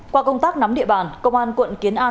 qua công tác nắm địa bàn công an quận kiến an